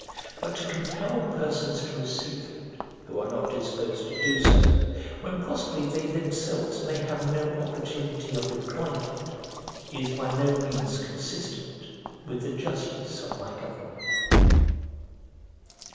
But to compel persons to receive it who are not disposed to do so, when possibly they themselves may have no opportunity of employing it, is by no means consistent with the justice of my government.